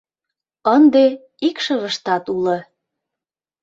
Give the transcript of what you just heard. Ынде икшывыштат уло.